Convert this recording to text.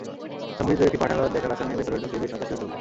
সমৃদ্ধ একটি পাঠাগার দেখার আশা নিয়ে ভেতরে ঢুকে বেশ হতাশই হতে হলো।